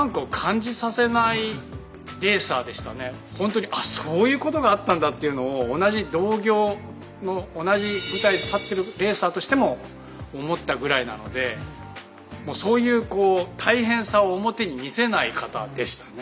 ほんとにそういうことがあったんだっていうのを同じ同業の同じ舞台に立ってるレーサーとしても思ったぐらいなのでそういう大変さを表に見せない方でしたね。